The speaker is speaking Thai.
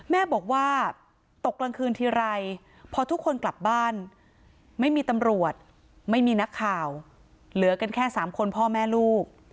แม่บอกว่าตกกลางคืนทีไรพอทุกคนกลับบ้านไม่มีตำรวจไม่มีนักข่าวเหลือกันแค่๓คนพ่อแม่ลูก